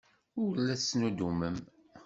Ur la tettnuddumem.